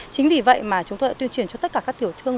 chính vì vậy mà chúng tôi đã tuyên truyền cho tất cả các tiểu thương